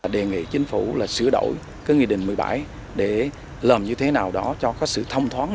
đề nghị chính phủ là sửa đổi cái nghị định một mươi bảy để làm như thế nào đó cho có sự thông thoáng